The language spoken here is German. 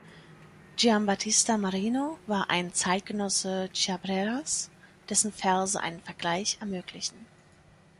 Giambattista Marino war ein Zeitgenosse Chiabreras, dessen Verse einen Vergleich ermöglichen.